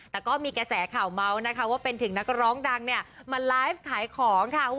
แต่ก็มีกระแสข่าวเมาส์นะคะว่าเป็นถึงนักร้องดังเนี่ยมาไลฟ์ขายของค่ะ